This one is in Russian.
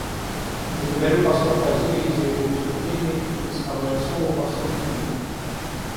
Благодарю посла Бразилии за его выступление и предоставляю слово послу Индии.